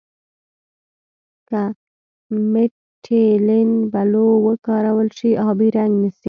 که میتیلین بلو وکارول شي آبي رنګ نیسي.